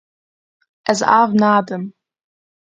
Ez av nadim.